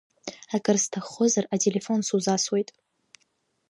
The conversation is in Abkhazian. Акыр сҭаххозар, ателефон сузасуеит.